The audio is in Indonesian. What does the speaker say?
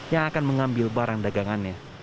yang akan mengambil barang dagangannya